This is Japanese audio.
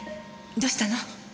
どうしたの？